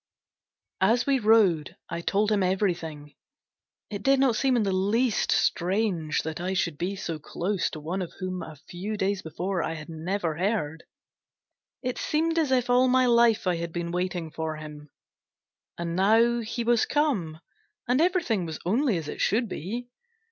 As we rode, I told him everything. It did not seem in the least strange that I should be so close to one of whom a few days before I had never heard; it seemed as if all my life I had been waiting for him, and now he was come, and everything was only as it should be!